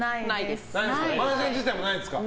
マージャン自体もないですか。